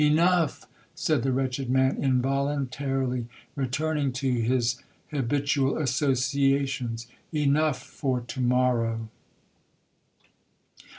Enough,' said the wretched man, involuntarily returning to his habitual associations,—'enough for to morrow!'